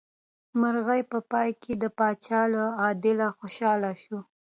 مرغۍ په پای کې د پاچا له عدله خوشحاله شوه.